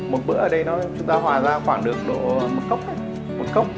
một bữa ở đây chúng ta hòa ra khoảng được một cốc